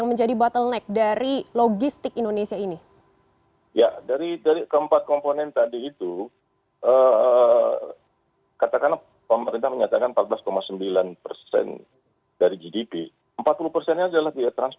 ketika itu presiden marah